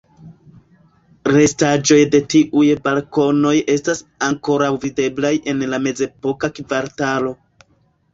Restaĵoj de tiuj balkonoj estas ankoraŭ videblaj en la mezepoka kvartalo.